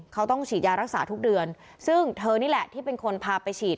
เขาต้องฉีดยารักษาทุกเดือนซึ่งเธอนี่แหละที่เป็นคนพาไปฉีด